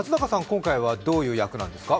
今回はどういう役なんですか。